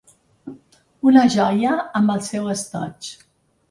Una joia amb el seu estoig.